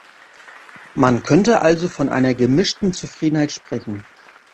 Man könnte also von einer gemischten Zufriedenheit sprechen.